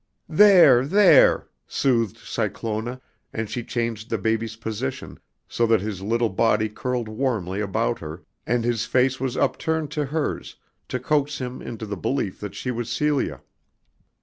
"There, there!" soothed Cyclona, and she changed the baby's position, so that his little body curled warmly about her and his face was upturned to hers to coax him into the belief that she was Celia.